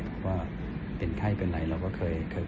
เพราะว่าเป็นไข้เป็นอะไรเราก็เคยคุ้มแล้วนะครับ